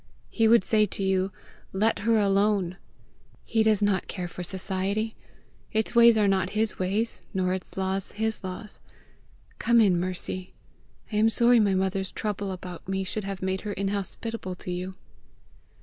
He would say to you, LET HER ALONE. He does not care for Society. Its ways are not his ways, nor its laws his laws. Come in, Mercy. I am sorry my mother's trouble about me should have made her inhospitable to you!"